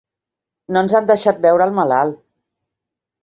No ens han deixat veure el malalt.